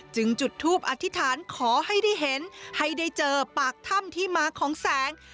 จุดทูปอธิษฐานขอให้ได้เห็นให้ได้เจอปากถ้ำที่มาของแสง